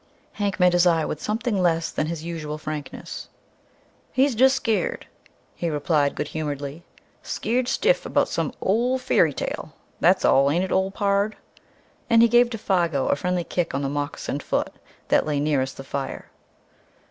Hank met his eye with something less than his usual frankness. "He's jest skeered," he replied good humouredly. "Skeered stiff about some ole feery tale! That's all, ain't it, ole pard?" And he gave Défago a friendly kick on the moccasined foot that lay nearest the fire.